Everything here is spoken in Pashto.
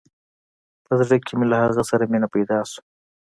په زړه کښې مې له هغه سره مينه پيدا سوه.